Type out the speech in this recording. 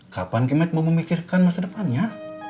kapan kita mau memikirkan masa depannya